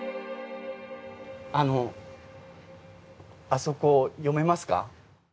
あそこ読めますか？